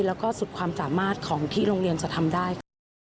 แล้วก็สุดความสามารถของที่โรงเรียนจะทำได้ค่ะ